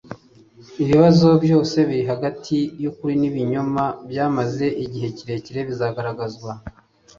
Ibibazo byose biri hagati y'ukuri n'ibinyoma byamaze igihe kirekire, bizagaragazwa.